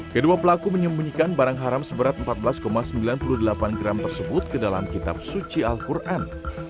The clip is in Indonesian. kedua pelaku menyembunyikan barang haram seberat empat belas sembilan puluh delapan gram tersebut ke dalam kitab suci al quran